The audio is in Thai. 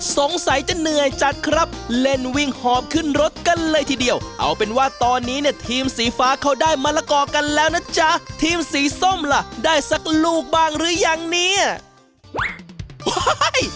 สงสัยจะเหนื่อยจัดครับเล่นวิ่งหอบขึ้นรถกันเลยทีเดียวเอาเป็นว่าตอนนี้เนี่ยทีมสีฟ้าเขาได้มะละกอกันแล้วนะจ๊ะทีมสีส้มล่ะได้สักลูกบ้างหรือยังเนี่ย